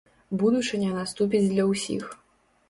Будучыня наступіць для ўсіх.